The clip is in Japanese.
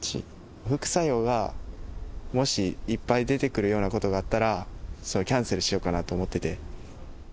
副作用がもしいっぱい出てくるようなことがあったら、それはキャンセルしようかなと思ってて。